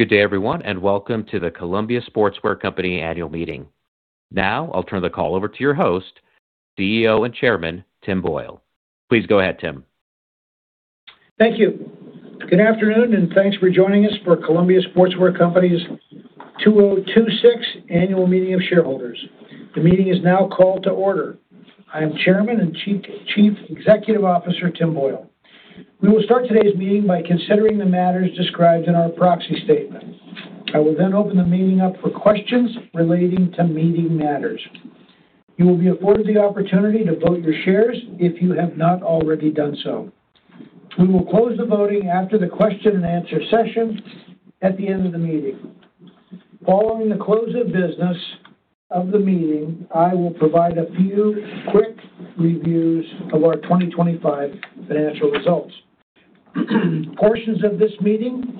Good day, everyone, and welcome to the Columbia Sportswear Company annual meeting. Now, I'll turn the call over to your host, Chairman and Chief Executive Officer, Tim Boyle. Please go ahead, Tim. Thank you. Good afternoon, thanks for joining us for Columbia Sportswear Company's 2026 annual meeting of shareholders. The meeting is now called to order. I am Chairman and Chief Executive Officer, Tim Boyle. We will start today's meeting by considering the matters described in our proxy statement. I will open the meeting up for questions relating to meeting matters. You will be afforded the opportunity to vote your shares if you have not already done so. We will close the voting after the question and answer session at the end of the meeting. Following the close of business of the meeting, I will provide a few quick reviews of our 2025 financial results. Portions of this meeting,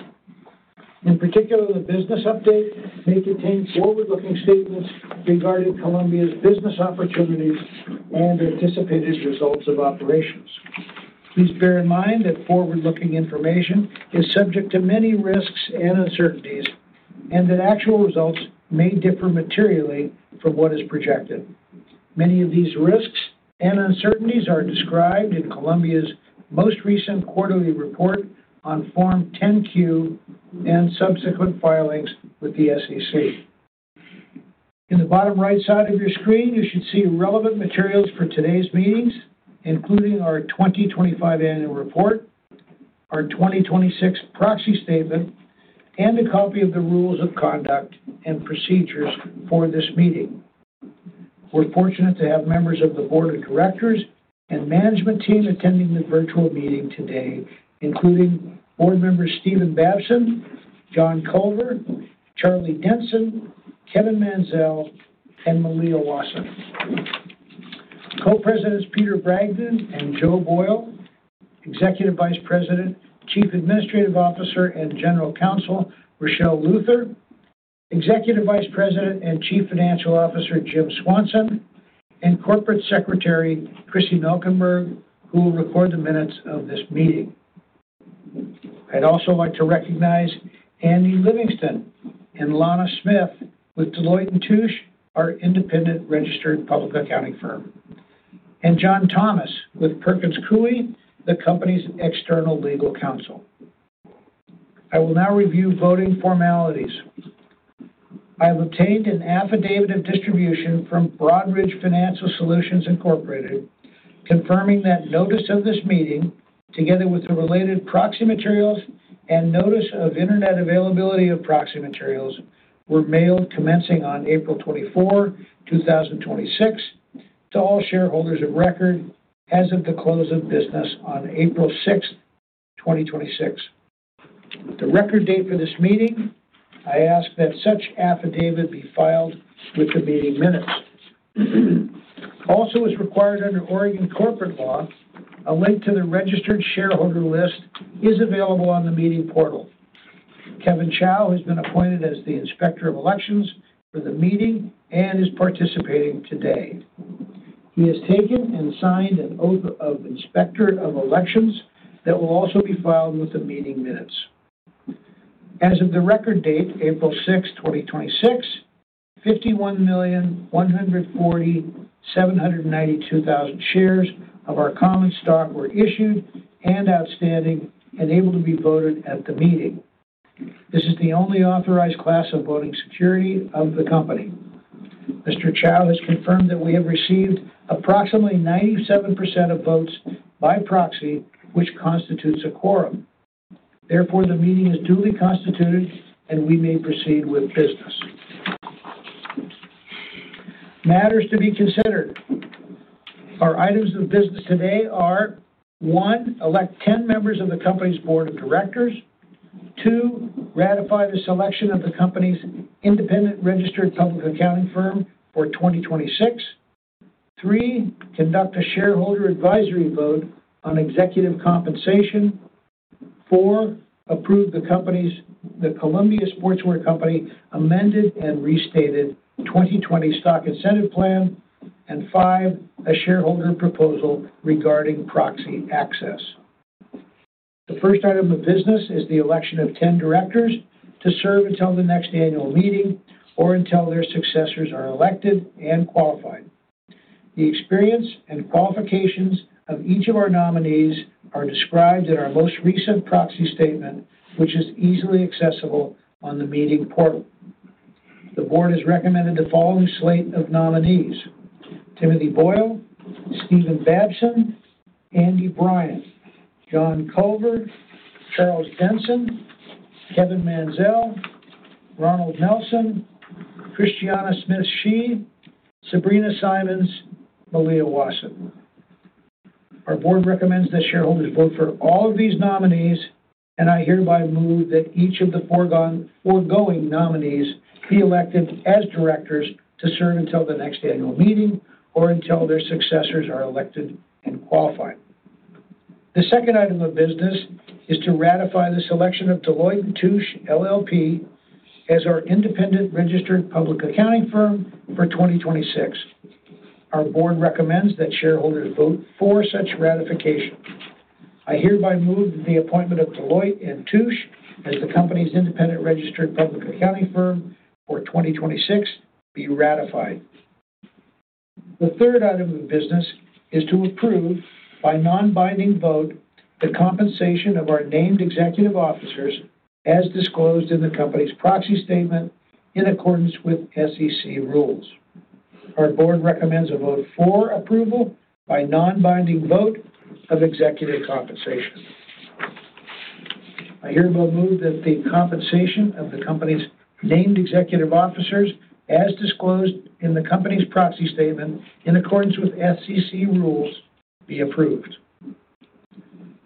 in particular the business update, may contain forward-looking statements regarding Columbia's business opportunities and anticipated results of operations. Please bear in mind that forward-looking information is subject to many risks and uncertainties, that actual results may differ materially from what is projected. Many of these risks and uncertainties are described in Columbia's most recent quarterly report on Form 10-Q and subsequent filings with the SEC. In the bottom right side of your screen, you should see relevant materials for today's meetings, including our 2025 annual report, our 2026 proxy statement, a copy of the rules of conduct and procedures for this meeting. We're fortunate to have members of the board of directors and management team attending the virtual meeting today, including board members Stephen Babson, John Culver, Charlie Denson, Kevin Mansell, and Malia Wasson. Co-presidents Peter Bragdon and Joe Boyle, Executive Vice President, Chief Administrative Officer, and General Counsel Richelle Luther, Executive Vice President and Chief Financial Officer Jim Swanson, and Corporate Secretary, Chrissy Mecklenborg, who will record the minutes of this meeting. I'd also like to recognize Andy Livingston and Lana Smith with Deloitte & Touche, our independent registered public accounting firm, and John Thomas with Perkins Coie, the company's external legal counsel. I will now review voting formalities. I have obtained an affidavit of distribution from Broadridge Financial Solutions, Incorporated, confirming that notice of this meeting, together with the related proxy materials and notice of internet availability of proxy materials, were mailed commencing on April 24, 2026, to all shareholders of record as of the close of business on April 6, 2026. The record date for this meeting. I ask that such affidavit be filed with the meeting minutes. Also as required under Oregon corporate law, a link to the registered shareholder list is available on the meeting portal. Kevin Chow has been appointed as the Inspector of Elections for the meeting and is participating today. He has taken and signed an Oath of Inspector of Elections that will also be filed with the meeting minutes. As of the record date, April 6th, 2026, 51,140,792 shares of our common stock were issued and outstanding and able to be voted at the meeting. This is the only authorized class of voting security of the company. Mr. Chow has confirmed that we have received approximately 97% of votes by proxy, which constitutes a quorum. Therefore, the meeting is duly constituted, and we may proceed with business. Matters to be considered. Our items of business today are, one, elect 10 members of the company's board of directors. Two. Ratify the selection of the company's independent registered public accounting firm for 2026. Three. Conduct a shareholder advisory vote on executive compensation. Four. Approve the company's, the Columbia Sportswear Company amended and restated 2020 Stock Incentive Plan, and Five. A shareholder proposal regarding proxy access. The first item of business is the election of 10 directors to serve until the next annual meeting or until their successors are elected and qualified. The experience and qualifications of each of our nominees are described in our most recent proxy statement, which is easily accessible on the meeting portal. The board has recommended the following slate of nominees: Timothy Boyle, Stephen Babson, Andy Bryant, John Culver, Charles Denson, Kevin Mansell, Ronald Nelson, Christiana Smith Shi, Sabrina Simmons, Malia Wasson. Our board recommends that shareholders vote for all of these nominees, and I hereby move that each of the foregoing nominees be elected as directors to serve until the next annual meeting or until their successors are elected and qualified. The second item of business is to ratify the selection of Deloitte & Touche LLP as our independent registered public accounting firm for 2026. Our board recommends that shareholders vote for such ratification. I hereby move that the appointment of Deloitte & Touche as the company's independent registered public accounting firm for 2026 be ratified. The third item of business is to approve, by non-binding vote, the compensation of our named executive officers as disclosed in the company's proxy statement in accordance with SEC rules. Our board recommends a vote for approval by non-binding vote of executive compensation. I hereby move that the compensation of the company's named executive officers, as disclosed in the company's proxy statement in accordance with SEC rules, be approved.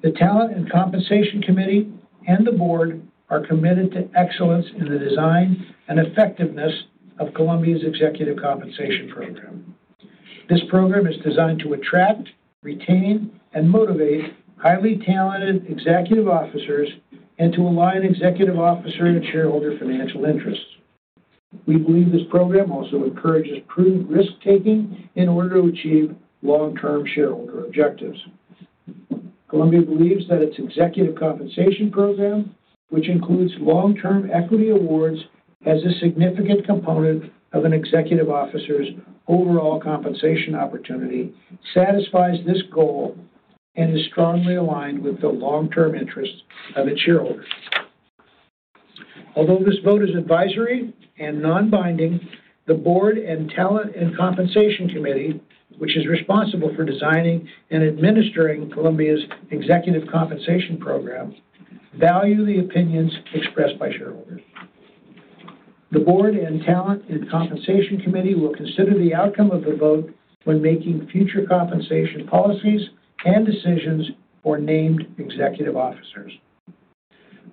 The Talent and Compensation Committee and the board are committed to excellence in the design and effectiveness of Columbia's Executive Compensation Program. This program is designed to attract, retain, and motivate highly talented executive officers and to align executive officer and shareholder financial interests. We believe this program also encourages prudent risk-taking in order to achieve long-term shareholder objectives. Columbia believes that its executive compensation program, which includes long-term equity awards as a significant component of an executive officer's overall compensation opportunity, satisfies this goal and is strongly aligned with the long-term interests of its shareholders. Although this vote is advisory and non-binding, the board and Talent and Compensation Committee, which is responsible for designing and administering Columbia's executive compensation program, value the opinions expressed by shareholders. The board and Talent and Compensation Committee will consider the outcome of the vote when making future compensation policies and decisions for named executive officers.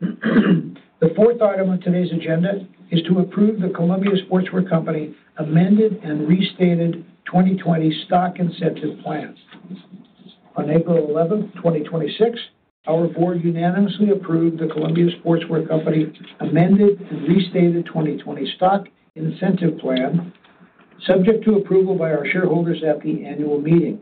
The fourth item on today's agenda is to approve the Columbia Sportswear Company amended and restated 2020 Stock Incentive Plan. On April 11th, 2026, our board unanimously approved the Columbia Sportswear Company amended and restated 2020 Stock Incentive Plan, subject to approval by our shareholders at the annual meeting.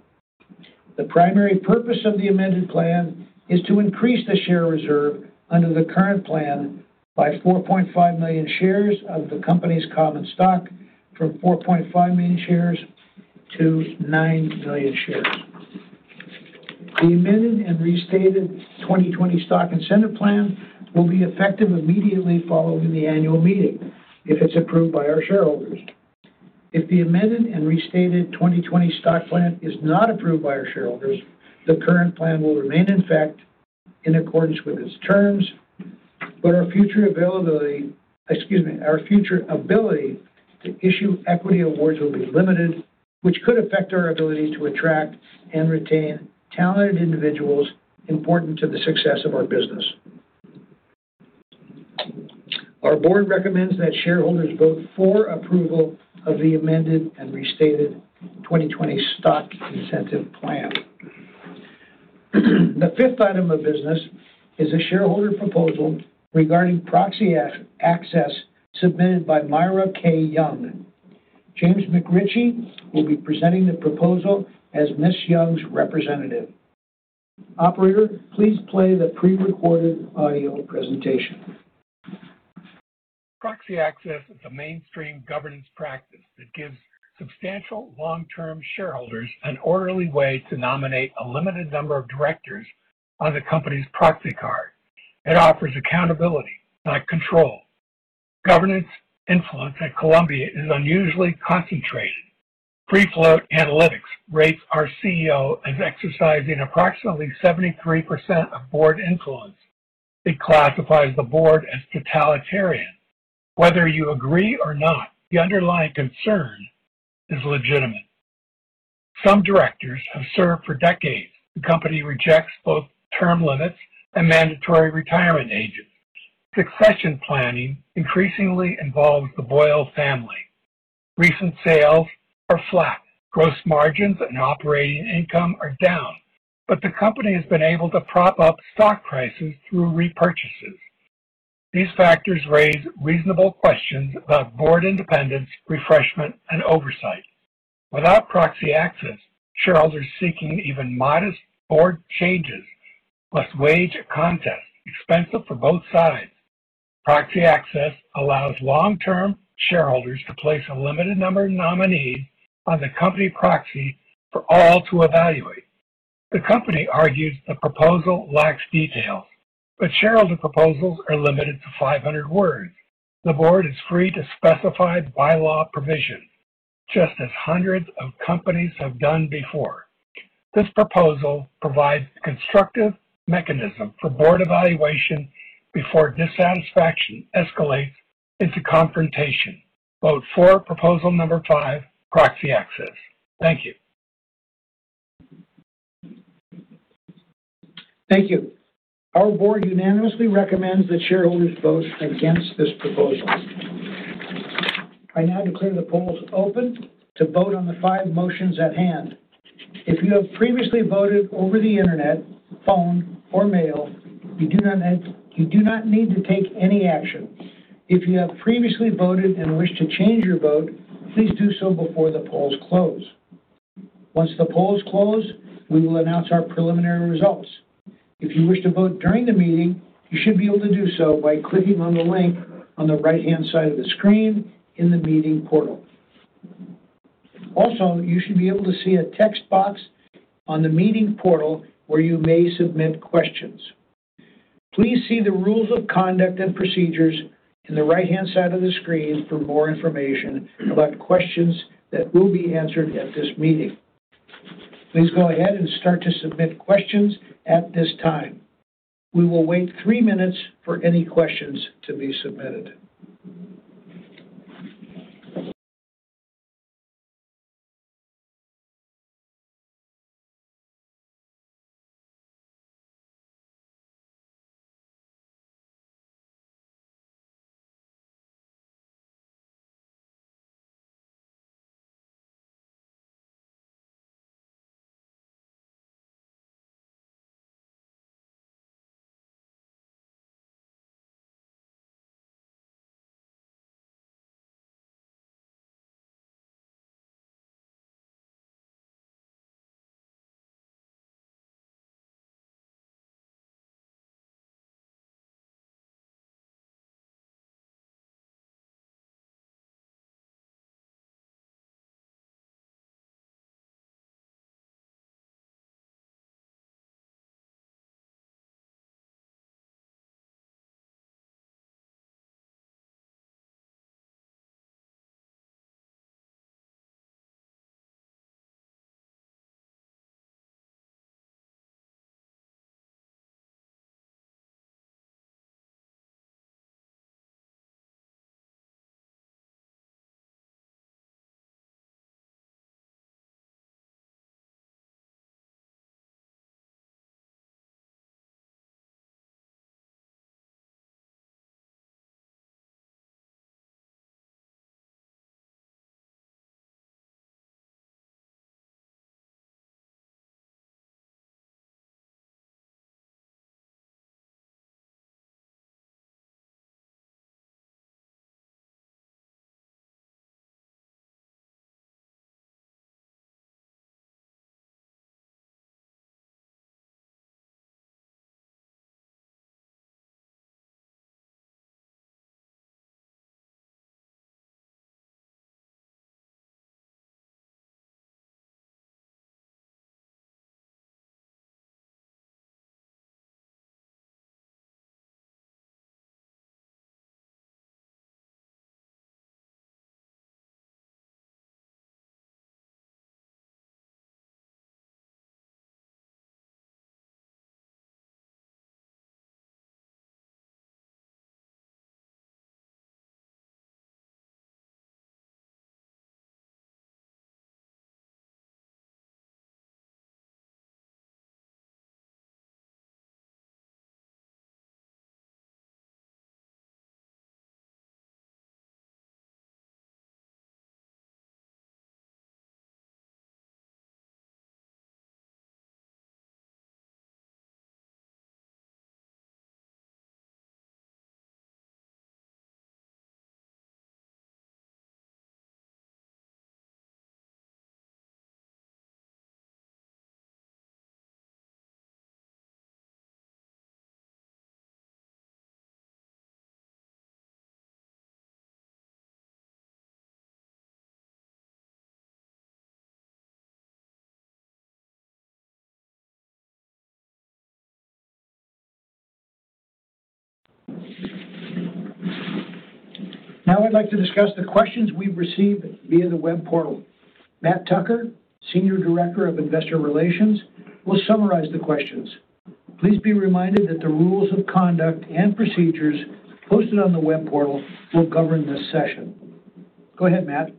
The primary purpose of the amended plan is to increase the share reserve under the current plan by 4.5 million shares of the company's common stock from 4.5 million shares to 9 million shares. The amended and restated 2020 Stock Incentive Plan will be effective immediately following the annual meeting if it's approved by our shareholders. If the amended and restated 2020 Stock Plan is not approved by our shareholders, the current plan will remain in effect in accordance with its terms, but our future ability to issue equity awards will be limited, which could affect our ability to attract and retain talented individuals important to the success of our business. Our board recommends that shareholders vote for approval of the amended and restated 2020 Stock Incentive Plan. The fifth item of business is a shareholder proposal regarding proxy access submitted by Myra K. Young. James McRitchie will be presenting the proposal as Ms. Young's representative. Operator, please play the pre-recorded audio presentation. Proxy access is a mainstream governance practice that gives substantial long-term shareholders an orderly way to nominate a limited number of directors on the company's proxy card. It offers accountability, not control. Governance influence at Columbia is unusually concentrated. Free Float Analytics rates our CEO as exercising approximately 73% of board influence. It classifies the board as totalitarian. Whether you agree or not, the underlying concern is legitimate. Some directors have served for decades. The company rejects both term limits and mandatory retirement ages. Succession planning increasingly involves the Boyle family. Recent sales are flat. Gross margins and operating income are down. But the company has been able to prop up stock prices through repurchases. These factors raise reasonable questions about board independence, refreshment, and oversight. Without proxy access, shareholders seeking even modest board changes must wage a contest, expensive for both sides. Proxy access allows long-term shareholders to place a limited number of nominees on the company proxy for all to evaluate. The company argues the proposal lacks detail, but shareholder proposals are limited to 500 words. The board is free to specify the bylaw provision, just as hundreds of companies have done before. This proposal provides a constructive mechanism for board evaluation before dissatisfaction escalates into confrontation. Vote for proposal number 5, proxy access. Thank you. Thank you. Our board unanimously recommends that shareholders vote against this proposal. I now declare the polls open to vote on the five motions at hand. If you have previously voted over the internet, phone, or mail, you do not need to take any action. If you have previously voted and wish to change your vote, please do so before the polls close. Once the polls close, we will announce our preliminary results. If you wish to vote during the meeting, you should be able to do so by clicking on the link on the right-hand side of the screen in the meeting portal. Also, you should be able to see a text box on the meeting portal where you may submit questions. Please see the rules of conduct and procedures in the right-hand side of the screen for more information about questions that will be answered at this meeting. Please go ahead and start to submit questions at this time. We will wait three minutes for any questions to be submitted. Now I'd like to discuss the questions we've received via the web portal. Matt Tucker, senior director of investor relations, will summarize the questions. Please be reminded that the rules of conduct and procedures posted on the web portal will govern this session. Go ahead, Matt.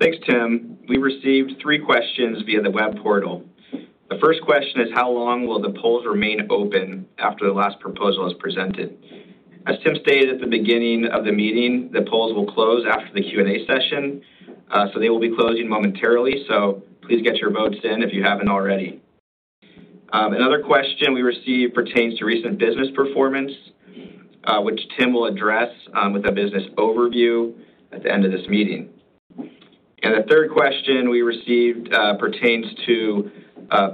Thanks, Tim. We received three questions via the web portal. The first question is how long will the polls remain open after the last proposal is presented? As Tim stated at the beginning of the meeting, the polls will close after the Q&A session. They will be closing momentarily, so please get your votes in if you haven't already. Another question we received pertains to recent business performance, which Tim will address with a business overview at the end of this meeting. The third question we received pertains to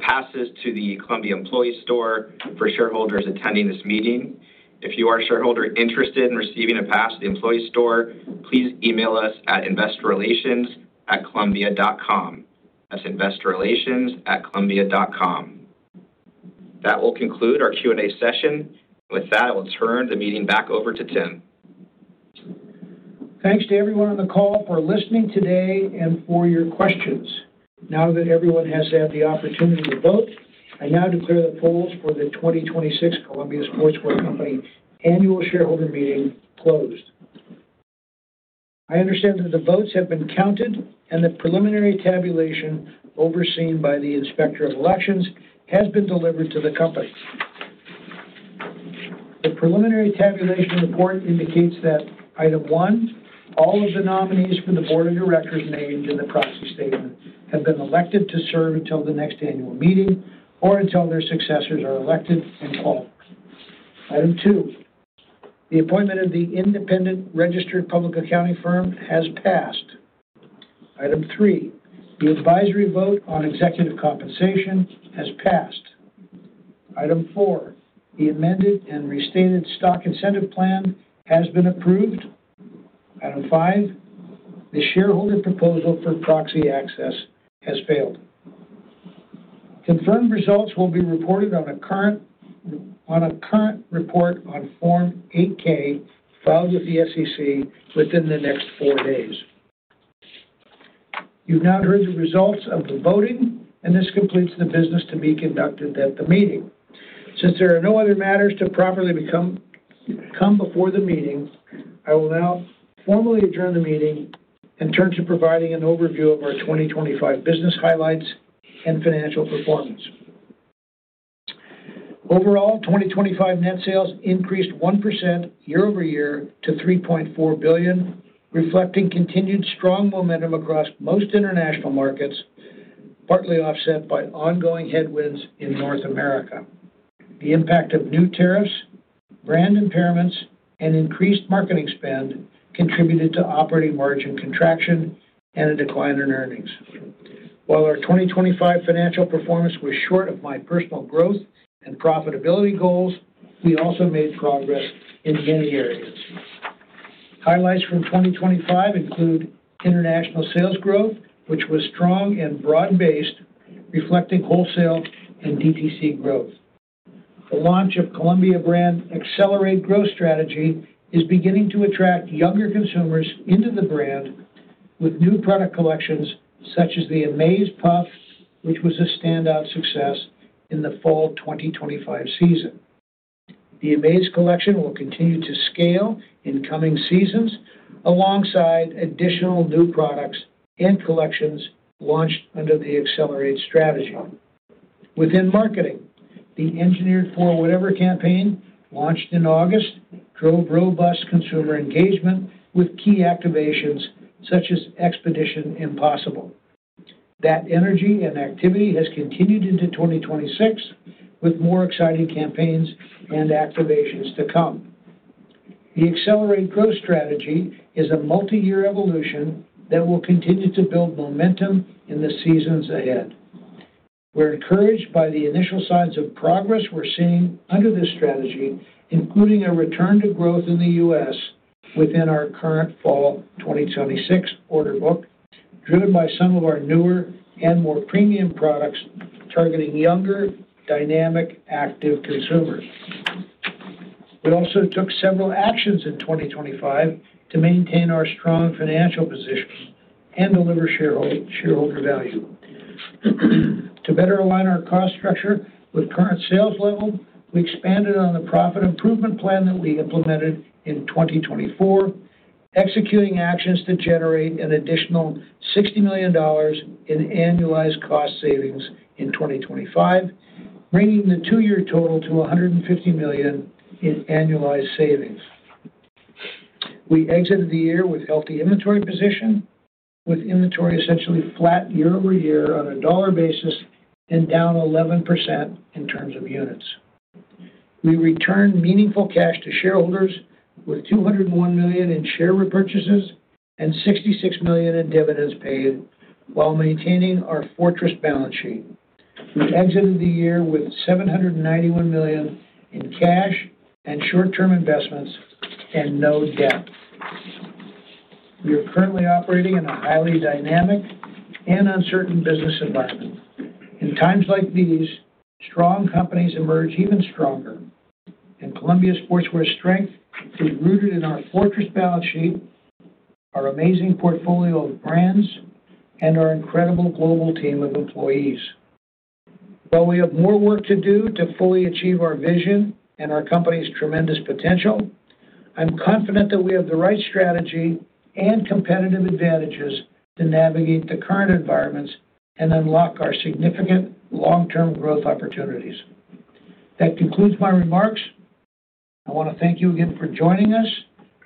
passes to the Columbia employee store for shareholders attending this meeting. If you are a shareholder interested in receiving a pass to the employee store, please email us at investorrelations@columbia.com. That's investorrelations@columbia.com. That will conclude our Q&A session. With that, I will turn the meeting back over to Tim. Thanks to everyone on the call for listening today and for your questions. Now that everyone has had the opportunity to vote, I now declare the polls for the 2026 Columbia Sportswear Company annual shareholder meeting closed. I understand that the votes have been counted and the preliminary tabulation overseen by the Inspector of Elections has been delivered to the company. The preliminary tabulation report indicates that Item one, all of the nominees for the board of directors named in the proxy statement have been elected to serve until the next annual meeting or until their successors are elected and qualified. Item two, the appointment of the independent registered public accounting firm has passed. Item three, the advisory vote on executive compensation has passed. Item four, the amended and restated Stock Incentive Plan has been approved. Item five, the shareholder proposal for proxy access has failed. Confirmed results will be reported on a current report on Form 8-K filed with the SEC within the next four days. You've now heard the results of the voting. This completes the business to be conducted at the meeting. Since there are no other matters to properly come before the meeting, I will now formally adjourn the meeting and turn to providing an overview of our 2025 business highlights and financial performance. Overall, 2025 net sales increased 1% year-over-year to $3.4 billion, reflecting continued strong momentum across most international markets, partly offset by ongoing headwinds in North America. The impact of new tariffs, brand impairments, and increased marketing spend contributed to operating margin contraction and a decline in earnings. While our 2025 financial performance was short of my personal growth and profitability goals, we also made progress in many areas. Highlights from 2025 include international sales growth, which was strong and broad-based, reflecting wholesale and DTC growth. The launch of Columbia Brand Accelerate Growth Strategy is beginning to attract younger consumers into the brand with new product collections such as the Amaze Puff, which was a standout success in the fall 2025 season. The Amaze collection will continue to scale in coming seasons alongside additional new products and collections launched under the Accelerate Strategy. Within marketing, the Engineered for Whatever campaign, launched in August, drove robust consumer engagement with key activations such as Expedition Impossible. That energy and activity has continued into 2026, with more exciting campaigns and activations to come. The Accelerate Growth Strategy is a multi-year evolution that will continue to build momentum in the seasons ahead. We're encouraged by the initial signs of progress we're seeing under this strategy, including a return to growth in the U.S. within our current fall 2026 order book, driven by some of our newer and more premium products targeting younger, dynamic, active consumers. We also took several actions in 2025 to maintain our strong financial position and deliver shareholder value. To better align our cost structure with current sales level, we expanded on the Profit Improvement Plan that we implemented in 2024, executing actions to generate an additional $60 million in annualized cost savings in 2025, bringing the two-year total to $150 million in annualized savings. We exited the year with healthy inventory position, with inventory essentially flat year-over-year on a dollar basis and down 11% in terms of units. We returned meaningful cash to shareholders with $201 million in share repurchases and $66 million in dividends paid while maintaining our fortress balance sheet. We exited the year with $791 million in cash and short-term investments and no debt. We are currently operating in a highly dynamic and uncertain business environment. In times like these, strong companies emerge even stronger, and Columbia Sportswear's strength is rooted in our fortress balance sheet, our amazing portfolio of brands, and our incredible global team of employees. While we have more work to do to fully achieve our vision and our company's tremendous potential, I'm confident that we have the right strategy and competitive advantages to navigate the current environments and unlock our significant long-term growth opportunities. That concludes my remarks. I want to thank you again for joining us.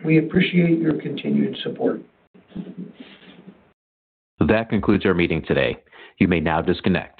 We appreciate your continued support. That concludes our meeting today. You may now disconnect.